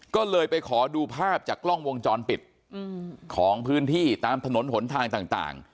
ก็เลยไปขอดูภาพจากกล้องวงจรปิดของพื้นที่ตามถนนหนทางต่าง